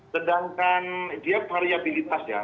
sedangkan dia variabilitas ya